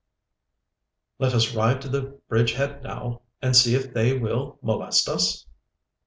'Let us ride to the bridge head now, and see if they will molest us?